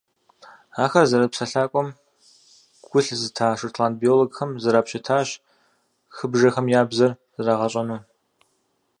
Ахэр зэрыпсэлъакӏуэм гу лъызыта шотланд биологхэм зрапщытащ хыбжэхэм я «бзэр» зэрагъэщӏэну.